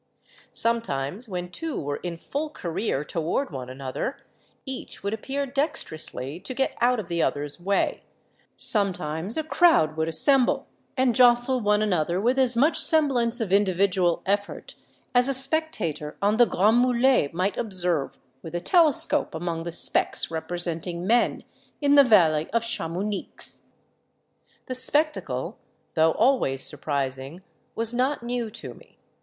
Sometimes, when two were in full career toward one another, each would appear dexterously to get out of the other's way; sometimes a crowd would assemble and jostle one another with as much semblance of individual effort as a spectator on the Grands Mulets might observe with a telescope among the specks representing men in the valley of Chamounix. "The spectacle, tho always surprising, was not new to me.